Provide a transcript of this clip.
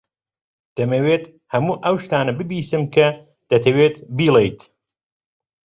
دەمەوێت هەموو ئەو شتانە ببیستم کە دەتەوێت بیڵێیت.